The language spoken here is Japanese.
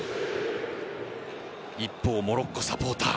一方、モロッコサポーター。